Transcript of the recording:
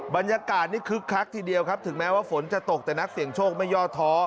บรรยากาศนี่คึกคักทีเดียวครับถึงแม้ว่าฝนจะตกแต่นักเสี่ยงโชคไม่ย่อท้อ